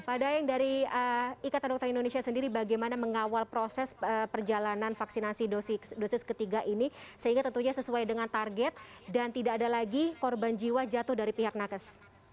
pak daeng dari ikatan dokter indonesia sendiri bagaimana mengawal proses perjalanan vaksinasi dosis ketiga ini sehingga tentunya sesuai dengan target dan tidak ada lagi korban jiwa jatuh dari pihak nakes